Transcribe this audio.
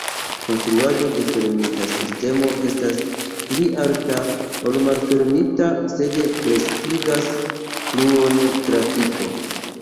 Konstruado de fermita sistemo estas pli alta ol malfermita sed kreskigas fluon de trafiko.